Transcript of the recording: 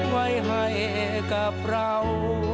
ไว้ให้กับเรา